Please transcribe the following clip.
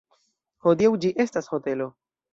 Hodiaŭ ĝi estas hotelo.